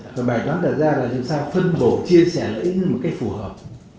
và bài toán đặt ra là làm sao phân bổ chia sẻ lợi ích như một cách phù hợp